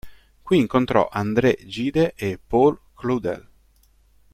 Qui incontrò André Gide e Paul Claudel.